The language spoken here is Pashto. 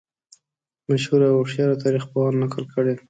مشهورو او هوښیارو تاریخ پوهانو نقل کړې.